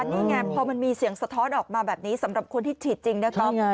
นี่ไงพอมันมีเสียงสะท้อนออกมาแบบนี้สำหรับคนที่ฉีดจริงนะครับ